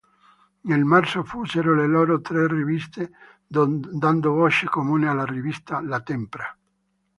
Nel marzo fusero le loro tre riviste dando voce comune alla rivista "La Tempra".